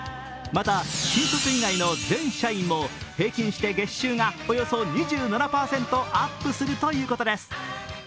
また新卒以外の全社員も平均して月収がおよそ２７％アップするということです。